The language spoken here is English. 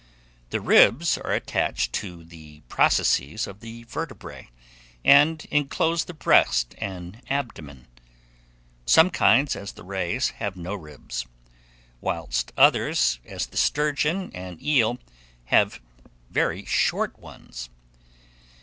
The ribs are attached to the processes of the vertebrae, and inclose the breast and abdomen. Some kinds, as the rays, have no ribs; whilst others, as the sturgeon and eel, have very short ones.